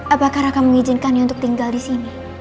apakah raka mengizinkannya untuk tinggal disini